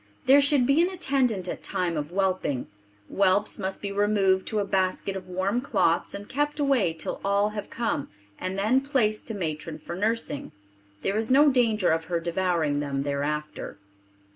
There should be an attendant at time of whelping. Whelps must be removed to a basket of warm cloths and kept away till all have come and then place to matron for nursing. There is no danger of her devouring them thereafter.